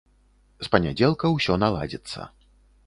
З панядзелка ўсё наладзіцца.